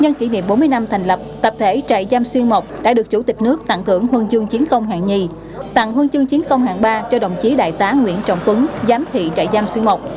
nhân kỷ niệm bốn mươi năm thành lập tập thể trại giam xuyên mộc đã được chủ tịch nước tặng thưởng huân chương chiến công hạng nhì tặng huân chương chiến công hạng ba cho đồng chí đại tá nguyễn trọng tuấn giám thị trại giam xuyên mộc